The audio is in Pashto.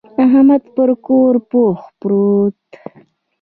احمد پر کور پوخ پرېوت.